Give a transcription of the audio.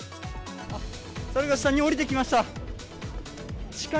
猿が下に下りてきました。